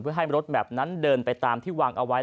เพื่อให้รถแมพนั้นเดินไปตามที่วางเอาไว้